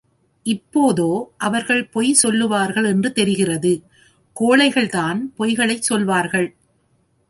இப்போதோ அவர்கள் பொய் சொல்லுவார்கள் என்றும் தெரிகிறது. கோழைகள்தான் பொய்களைச் சொல்லுவார்கள்.